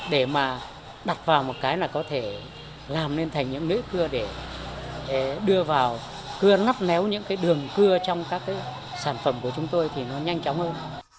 để mà đặt vào một cái là có thể làm nên thành những lứa để đưa vào cưa nắp néo những cái đường cưa trong các cái sản phẩm của chúng tôi thì nó nhanh chóng hơn